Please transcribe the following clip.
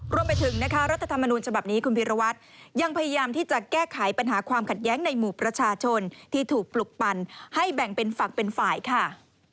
รวมไปถึงนะคะรัฐธรรมนูญฉบับนี้คุณพิรวัตรยังพยายามที่จะแก้ไขปัญหาความขัดแย้งในหมู่ประชาชนที่ถูกปลุกปั่นให้แบ่งเป็นฝักเป็นฝ่ายค่ะ